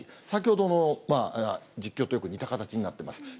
先ほどの実況とよく似た形になっています。